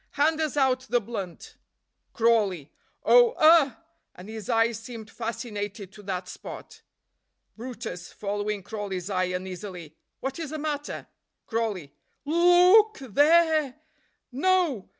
hand us out the blunt." Crawley. "Oh, ugh!" and his eyes seemed fascinated to that spot. brutus (following Crawley's eye uneasily). "What is the matter?" Crawley. "Lo o o k th e r e! No!